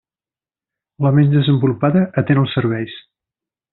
La menys desenvolupada atén als serveis.